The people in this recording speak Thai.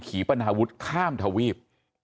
ขี่ปนาวุฒิข้ามถวีบ